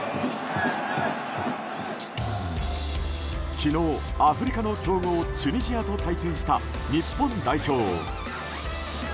昨日、アフリカの強豪チュニジアと対戦した日本代表。